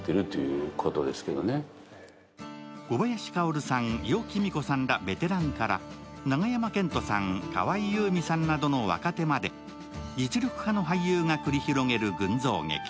小林薫さん、余貴美子さんらベテランから永山絢斗さん、河合優実さんなどの若手まで実力派の俳優が繰り広げる群像劇。